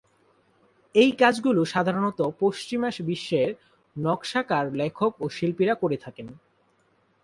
এই কাজগুলো সাধারণত পশ্চিমা বিশ্বের নকশাকার, লেখক ও শিল্পীরা করে থাকেন।